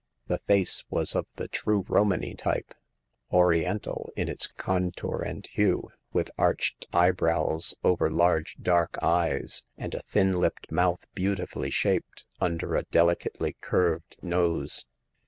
The face was of the true Romany type : Oriental in its contour and hue, with arched eyebrows ovtx \?x^^ ^"^^ i6 Hagar of the Pawn Shop. eyes, and a thin lipped mouth beautifully shaped, under a delicately curved nose.